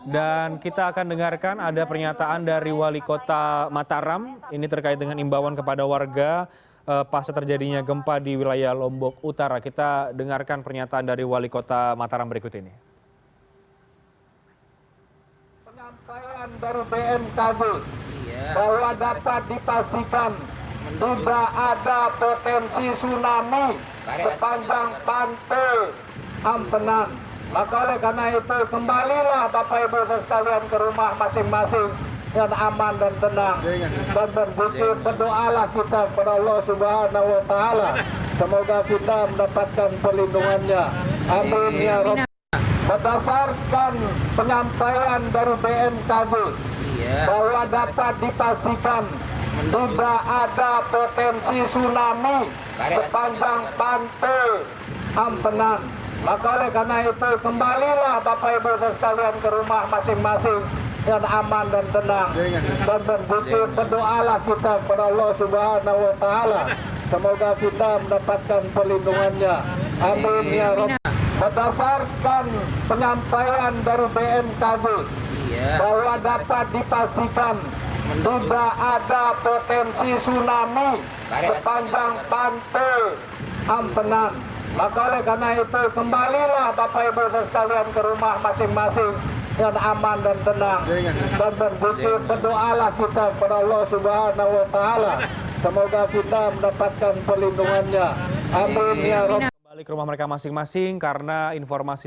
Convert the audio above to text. dan kita akan dengarkan ada pernyataan dari wali kota mataram ini terkait dengan imbauan kepada warga pas terjadinya gempa di wilayah lombok utara kita dengarkan pernyataan dari wali kota mataram berikut ini